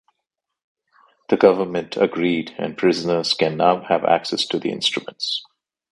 The Government agreed and prisoners can now have access to the instruments.